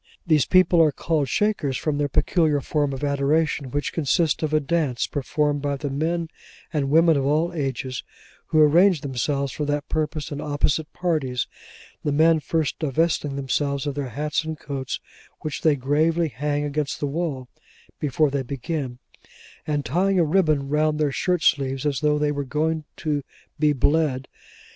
These people are called Shakers from their peculiar form of adoration, which consists of a dance, performed by the men and women of all ages, who arrange themselves for that purpose in opposite parties: the men first divesting themselves of their hats and coats, which they gravely hang against the wall before they begin; and tying a ribbon round their shirt sleeves, as though they were going to be bled.